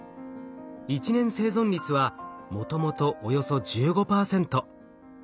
１年生存率はもともとおよそ１５％。